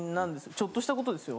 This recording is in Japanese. ちょっとしたことですよ。